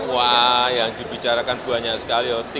wah yang dibicarakan banyak sekali ott